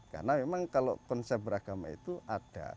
karena memang kalau konsep beragama itu ada